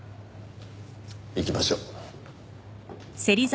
行きましょう。